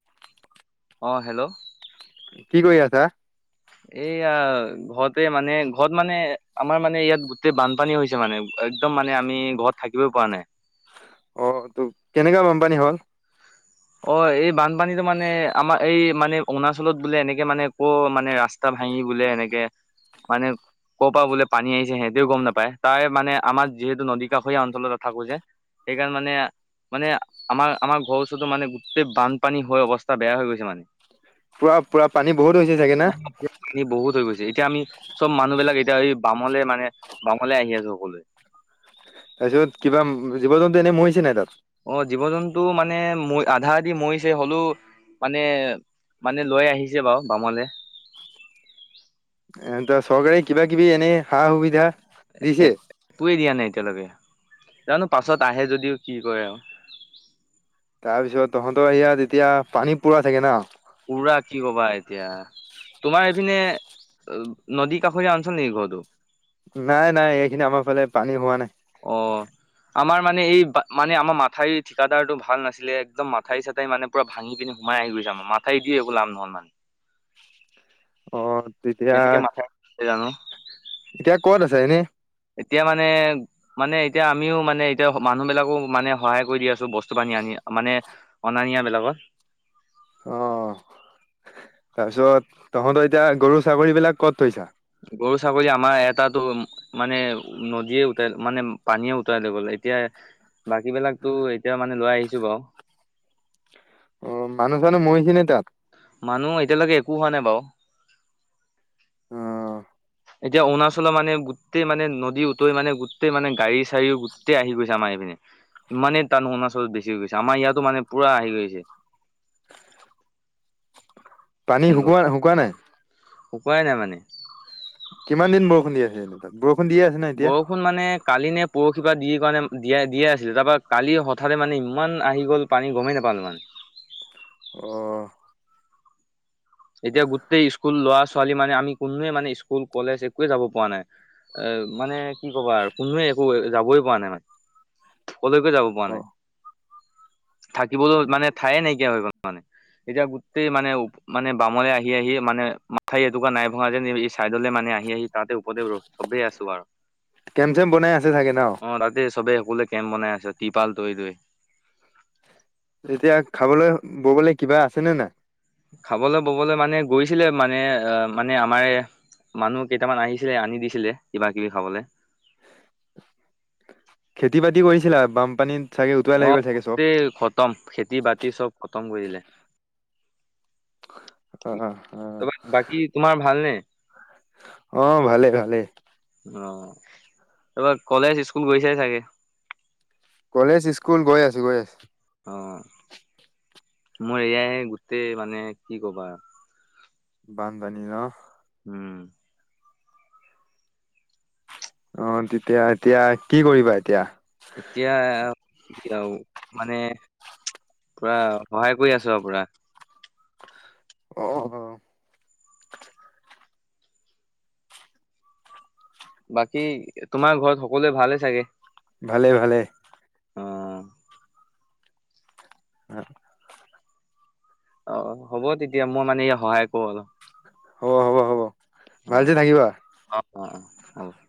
[inaudible] অ', hello. কি কৰি আছা? এইয়া ঘৰতে মানে, ঘৰত মানে, আমাৰ মানে, ইয়াত গোটেই বানপানী হৈছে মানে, একদম মানে আমি ঘৰত থাকিবই পৰা নাই। অ', টো' কেনেকা বানপানী হ'ল? অ', এই বানপানীটো মানে, আমাৰ এই মানে, অৰুণাচলত বোলে এনেকে মানে, কৰ মানে ৰাস্তা [unintelligible] ভাঙি বোলে এনেকে, মানে ক'ৰ পৰা বোলে পানী আহিছে সিহতেও গম নাপায়। তাৰে মানে আমাৰ যিহেতু নদী কাষৰীয়া অঞ্চলতে থাকো যে। সেইকাৰণে মানে, মানে আমাৰ-আমাৰ ঘৰ [unintelligible] মানে গোটেই বানপানী হৈ অৱস্থা বেয়া হৈ গৈছে মানে। পুৰা-পুৰা পানী বহুত হৈছে চাগে না? পানী বহুত হৈ গৈছে, এতিয়া আমি চব মানুহবিলাক এতিয়া এই বামলে মানে, বামলে আহি আছো সকলোৱে। তাৰপিছত কিবা, জীৱ জন্তু এনেই মৰিছেনে নাই তাত? অ', জীৱ জন্তু মানে ম, আধা আধি মৰিছে হলেও মানে মানে লৈ আহিছে বাৰু বামলৈ। এ চৰকাৰে কিবা কিবি এনেই, সা সুবিধা দিছে একোৱে দিয়া নাই এতিয়ালৈকে, জানো পাছত আহে যদিও কি কৰে আও। তাৰ পিছত তহঁতৰ ইয়াত এতিয়া পানী পোৰা চাগে ন? পোৰা কি ক'বা এতিয়া। তোমাৰ এইপিনে অ' নদী কাষৰীয়া অঞ্চল নেকি ঘৰতো? নাই নাই এইখিনি আমাৰ ফালে পানী হোৱা নাই। অ'। আমাৰ মানে এই মানে আমাৰ মাথাইৰ ঠিকাদাৰটো ভাল নাছিলে, একদম মথাউৰি চাথাউৰি মানে পোৰা ভাঙি পিনে সোমাই আহি গৈছে, মথাউৰি দি একো লাভ নহল মানে। [inaudible] তেতিয়া কেনেকে মাথাউৰি জানো। এতিয়া ক'ত আছে এনে? এতিয়া মানে। মানে এতিয়া আমিও মানে এতিয়া মানুহ বিলাকো মানে সহায় কৰি দি আছো বস্তু বাহিনী আনি মানে অনা নিয়া বিলাকত। অ', তাৰপিছত তহঁতৰ এতিয়া গৰু ছাগলী বিলাক ক'ত থৈছা? গৰু, ছাগলী আমাৰ এটাতো মানে নদীয়ে উতাই মানে পানীয়ে উতাই লৈ গ'ল। এতিয়া বাকী বিলাকতো এতিয়া মানে লৈ আহিছো বাৰু। অ', মানু্হ চানুহ মৰিছে নি তাত? মানুহ এতিয়ালৈকে একো হোৱা নাই বাৰু। অ' এতিয়া অৰুণাচলৰ মানে গোটেই মানে নদী উতৈ মানে গোটেই মানে গাড়ী চাৰিও গোটেই আহি গৈছে আমাৰ এই পিনে। ইমানেই টান অৰুণাচত বেছি হৈ গৈছে, আমাৰ ইয়াতো মানে পোৰা আহি গৈছে। পানী শুকোৱাই শুকোৱা নাই? শুকোৱাই নাই মানে। কিমান দিন বৰষুণ দি আছে তাত? বৰষুণ দিয়ে আছে। নে ব এতিয়া? ষুণ মানে কালি নে পৰহি পা দি কাৰণে দিয়ে দিয়ে আছিলে, তাপা কালি হঠাতে মানে ইমান আহি গ'ল। পানী গমেই নাপালোঁ মানে। অ' এতিয়া গোটেই স্কুল ল'ৰা ছোৱালী মানে আমি কোনোৱে মানে স্কুল কলেজ একোৱে যাব পৰাোৱা নাই। এ মানে কি ক'বা কোনোৱে একো যাবই পৰা নাই মানে। কলৈকো যাব পৰা অ'। নাই। থাকিবলেও মানে ঠায়ে নাইকিয়া হৈ গ'ল মানে, এতিয়া গোটেই মানে মানে বামলৈ আহি আহি মানে মাথাউৰি এটুকুৰা নাই ভঙা যে চাইদলে মানে আহি আহি তাতে উপৰতে ৰখ চবেই আছো আৰু। কেম চেম বনাই আছে চাগে ন'? অ', তাতে চবে সকলোৱে কেম্প বনাই আছে টিৰপাল তৰি তৰি। এতিয়া খাবলৈ ববলৈ কিবা আছেনে নাই? খাবলে ববলে মানে গৈছিলে মানে অ', মানে আমাৰে মানুহ কেইটামান আহিছিলে আনি দিছিলে কিবা কিবি খাবলে। খেতি বাতি কৰিছিলা বানপানীত? চাগে উটুৱাই লাগি অ', গ'ল চাগে চব গোটেই খতম খেতি বাতি চব খতম কৰি দিলে। অ অ অ বাকী তোমাৰ ভালনে? অ', ভালে ভালে। অ', এইবাৰ কলেজ স্কুল গৈছা চাগে। কলেজ স্কুল গৈ আছো গৈ আছো। অ', মই এয়াই গোটেই মানে কি কবা। বান পানী নহ! উম। অ', তেতিয়া এতিয়া কি কৰিবা এতিয়া? এতিয়া কি মানে পুৰা সহায় কৰি আছো আৰু পুৰা। অ', অ'। বাকী তোমাৰ ঘৰত সকলোৱে ভালে চাগে? ভালেই ভালেই। অ [inaudible] অ', হ'ব তেতিয়া মই মানে ই সহায় কৰো অলপ। হ'ব হ'ব হ'ব অ ভালছে থাকিবা। অ অ', অ', হ'ব।